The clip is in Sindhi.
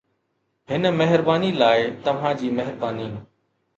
هن مهرباني لاء توهان جي مهرباني